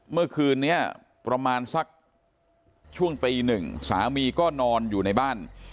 เมื่อคืนนี้ประมาณสักช่วงตีหนึ่งสามีก็นอนอยู่ในบ้าน